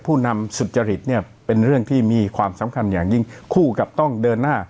ผู้นำสุจริตเนี่ยเป็นเรื่องที่มีความสำคัญอย่างยิ่งคู่กับต้องเดินหน้า